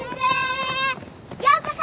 ようこそ！